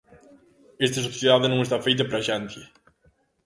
Esta sociedade non está feita para a xente.